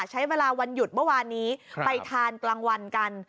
ใช้เวลาวันหยุดเมื่อวานนี้ไปทานกลางวันกัน